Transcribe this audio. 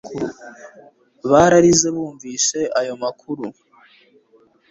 Bararize bumvise ayo makuru